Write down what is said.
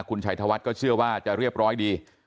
คุณชัยธวัฒน์ก็เชื่อว่าจะเรียบร้อยดี